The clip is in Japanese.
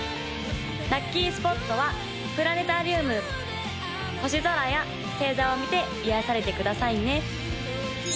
・ラッキースポットはプラネタリウム星空や星座を見て癒やされてくださいね